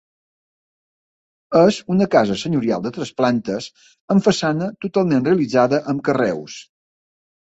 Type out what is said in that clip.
És una casa senyorial de tres plantes amb façana totalment realitzada amb carreus.